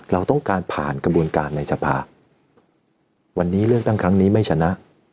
เราต้องการผ่านกระบวนการในสภาวันนี้เลือกตั้งครั้งนี้ไม่ชนะ